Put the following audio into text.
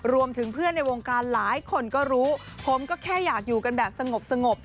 รวมถึงเพื่อนในวงการหลายคนก็รู้ผมก็แค่อยากอยู่กันแบบสงบ